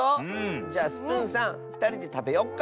じゃあスプーンさんふたりでたべよっか。